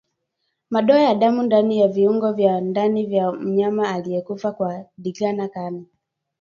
Madoa ya damu ndani ya viungo vya ndani vya mnyama aliyekufa kwa ndigana kali